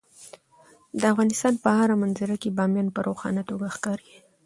د افغانستان په هره منظره کې بامیان په روښانه توګه ښکاري.